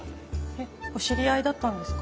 えっお知り合いだったんですか？